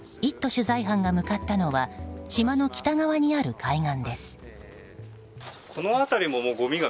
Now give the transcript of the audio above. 取材班が向かったのは島の北側にある海岸です。